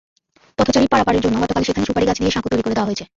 পথচারী পারাপারের জন্য গতকাল সেখানে সুপারিগাছ দিয়ে সাঁকো তৈরি করে দেওয়া হয়েছে।